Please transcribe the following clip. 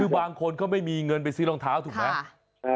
คือบางคนก็ไม่มีเงินไปซื้อรองเท้าถูกไหม